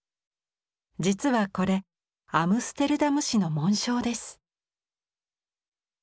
実はこれアムステルダム市の紋章です。